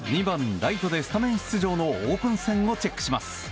２番ライトでスタメン出場のオープン戦をチェックします。